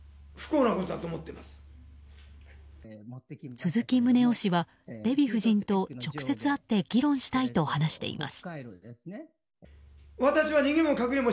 鈴木宗男氏はデヴィ夫人と直接会って議論したいと話しています。